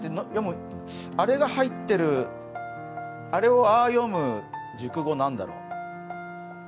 あれが入ってる、あれをああ読む熟語何だろう。